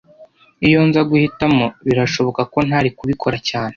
Iyo nza guhitamo, birashoboka ko ntari kubikora cyane